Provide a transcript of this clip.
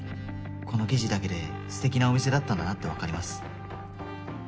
この記事だけで素敵なお店だったんだなってわかります。